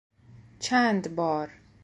چند بار